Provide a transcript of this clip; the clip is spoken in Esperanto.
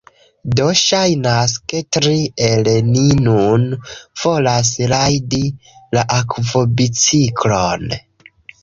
Do, ŝajnas, ke tri el ni nun volas rajdi la akvobiciklon